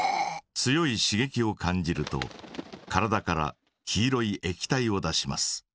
強いしげきを感じると体から黄色い液体を出します。